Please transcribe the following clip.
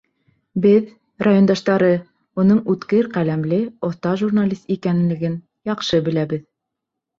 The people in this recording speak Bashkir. Беҙ, райондаштары, уның үткер ҡәләмле, оҫта журналист икәнлеген яҡшы беләбеҙ.